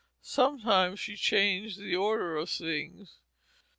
Sometimes she changed the order of things.